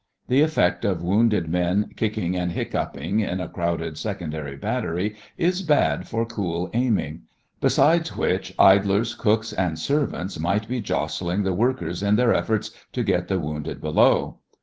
The effect of wounded men kicking and hiccoughing in a crowded secondary battery is bad for cool aiming; besides which, idlers, cooks and servants might be jostling the workers in their efforts to get the wounded below.